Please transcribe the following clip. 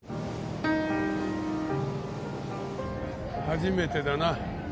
初めてだな。